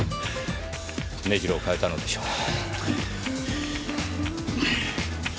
根城を変えたのでしょう。